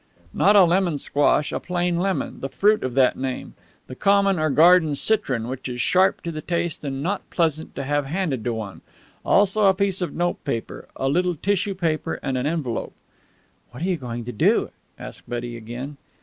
"Not a lemon squash. A plain lemon. The fruit of that name. The common or garden citron, which is sharp to the taste and not pleasant to have handed to one. Also a piece of note paper, a little tissue paper, and an envelope. "What are you going to do?" asked Betty again.